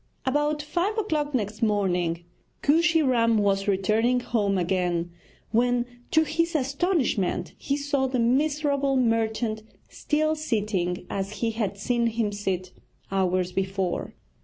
About five o'clock next morning Kooshy Ram was returning home again, when, to his astonishment, he saw the miserable merchant still sitting as he had seen him sit hours before.